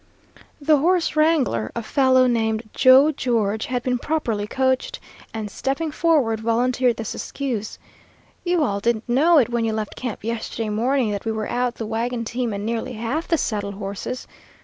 "The horse wrangler, a fellow named Joe George, had been properly coached, and stepping forward, volunteered this excuse: 'You all didn't know it when you left camp yesterday morning that we were out the wagon team and nearly half the saddle horses.